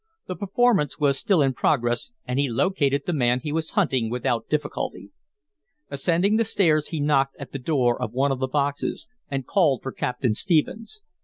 The performance was still in progress, and he located the man he was hunting without difficulty. Ascending the stairs, he knocked at the door of one of the boxes and called for Captain Stephens.